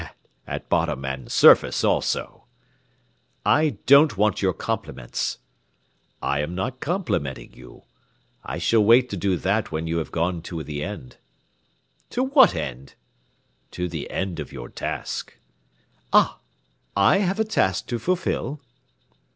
"At bottom and surface also." "I don't want your compliments." "I am not complimenting you. I shall wait to do that when you have gone to the end." "To what end?" "To the end of your task." "Ah! I have a task to fulfil?"